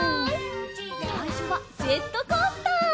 さいしょはジェットコースター。